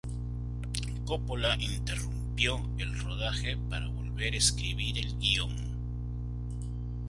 Coppola interrumpió el rodaje para volver a escribir el guion.